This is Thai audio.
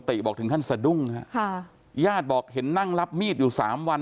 บอกถึงขั้นสะดุ้งฮะค่ะญาติบอกเห็นนั่งรับมีดอยู่สามวัน